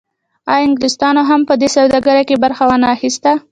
آیا انګلیسانو هم په دې سوداګرۍ کې برخه ونه اخیسته؟